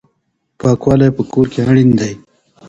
پاکوالی په کور کې اړین دی.